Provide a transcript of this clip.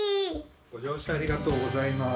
ごじょうしゃありがとうございます。